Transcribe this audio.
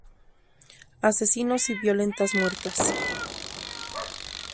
Asesinos y Violetas muertas.